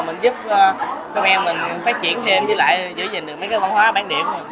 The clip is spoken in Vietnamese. mình giúp các em mình phát triển thêm với lại giới dịch được mấy cái văn hóa bán điểm